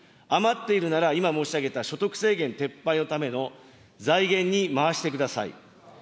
余っているなら、今申し上げた所得制限撤廃のための財源に回してください。